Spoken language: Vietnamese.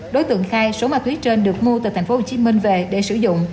đối tượng khai số ma túy trên được mua từ tp hcm về để sử dụng